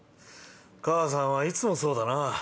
母さんはいつもそうだな。